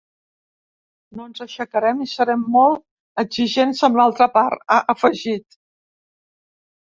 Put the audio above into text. No ens aixecarem i serem molt exigents amb l’altra part, ha afegit.